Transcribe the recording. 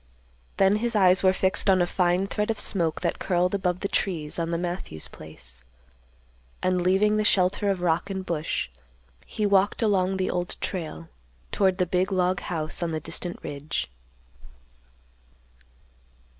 Then his eyes were fixed on a fine thread of smoke that curled above the trees on the Matthews place; and, leaving the shelter of rock and bush, he walked along the Old Trail toward the big log house on the distant ridge.